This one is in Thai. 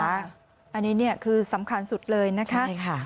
อันนี้เนี่ยคือสำคัญสุดเลยนะคะ